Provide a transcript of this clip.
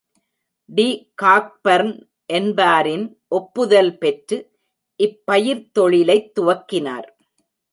D Cockburn என்பாரின் ஒப்புதல் பெற்று, இப்பயிர்த்தொழிலைத் துவக்கினார்.